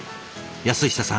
安久さん